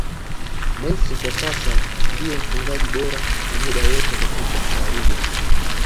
Messi kwa sasa ndiye mfungaji bora wa muda wote katika La Liga